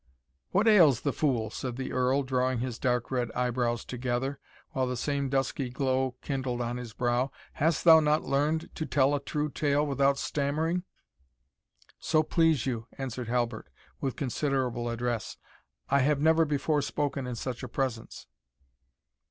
"What ails the fool?" said the Earl, drawing his dark red eyebrows together, while the same dusky glow kindled on his brow "Hast thou not learned to tell a true tale without stammering?" "So please you," answered Halbert, with considerable address, "I have never before spoken in such a presence."